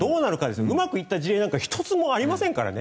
うまくいった事例なんか１つもありませんからね。